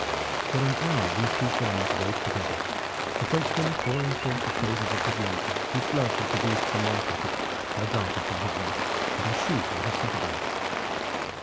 For an hour these two friends rode together, the Frenchman pouring forth the praises of his lady, whose glove he produced from one pocket, her garter from his vest, and her shoe from his saddle bag.